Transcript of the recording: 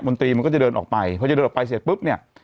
นตรีมันก็จะเดินออกไปพอจะเดินออกไปเสร็จปุ๊บเนี่ย